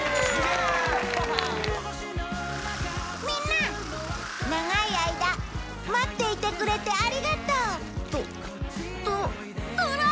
みんな長い間待っていてくれてありがとう！